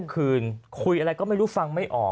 คืนคุยอะไรก็ไม่รู้ฟังไม่ออก